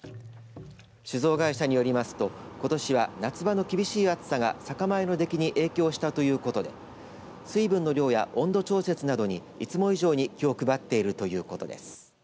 酒造会社によりますとことしは夏場の厳しい暑さが酒米の出来に影響したということで水分の量や温度調節などにいつも以上に気を配っているということです。